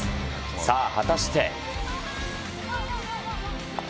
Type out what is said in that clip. さあ、果たして。